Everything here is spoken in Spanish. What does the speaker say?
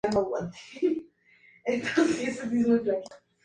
Se comercializaba exclusivamente con tracción a las cuatro ruedas.